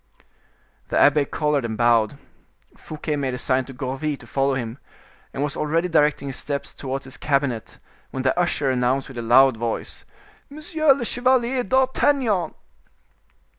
The abbe colored and bowed. Fouquet made a sign to Gourville to follow him, and was already directing his steps towards his cabinet, when the usher announced with a loud voice: "Monsieur le Chevalier d'Artagnan."